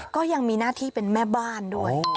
ก็ยังมีหน้าที่เป็นแม่บ้านด้วย